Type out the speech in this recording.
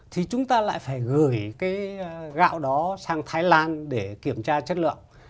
thì chúng ta lại phải gửi cái gạo đó sang thái lan để kiểm tra chất lượng